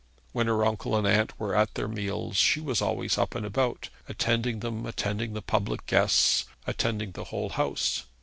When her uncle and aunt were at their meals she was always up and about, attending them, attending the public guests, attending the whole house.